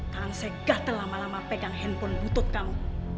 kalian segatel lama lama pegang handphone butut kamu